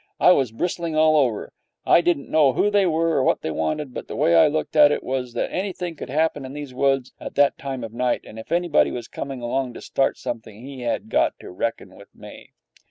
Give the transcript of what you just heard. I was bristling all over. I didn't know who they were or what they wanted, but the way I looked at it was that anything could happen in those woods at that time of night, and, if anybody was coming along to start something, he had got to reckon with me.